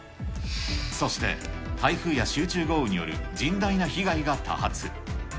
そして、台風や集中豪雨による甚大な被害が多発。